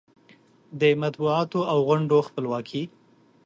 د مطبوعاتو او غونډو خپلواکي